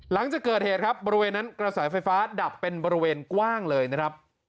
หลังจากเกิดเหตุครับบริเวณนั้นกระแสไฟฟ้าดับเป็นบริเวณกว้างเลยนะครับ